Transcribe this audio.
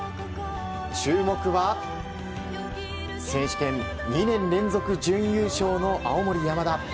注目は、選手権２年連続準優勝の青森山田。